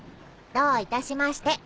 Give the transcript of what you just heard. どういたしまして。